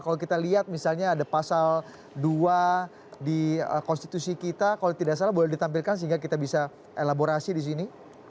kalau kita lihat misalnya ada pasal dua di konstitusi kita kalau tidak salah boleh ditampilkan sehingga kita bisa elaborasi di sini